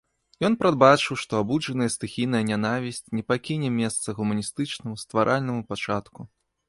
Ён прадбачыў, што абуджаная стыхійная нянавісць не пакіне месца гуманістычнаму, стваральнаму пачатку.